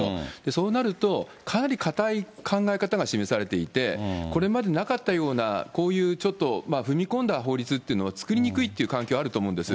そうなると、かなりかたい考え方が示されていて、これまでなかったようなこういうちょっと踏み込んだ法律っていうのは作りにくいという環境あると思うんです。